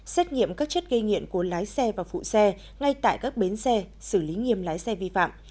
xét nghiệm các chất gây nghiện của lái xe và phụ xe ngay tại các bến xe xử lý nghiêm lái xe vi phạm